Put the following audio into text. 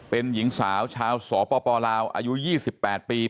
เป็นหญิงสาวชาวสอปปลาลาวอายุยี่สิบแปดปี